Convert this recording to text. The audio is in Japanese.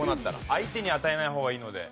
相手に与えない方がいいので。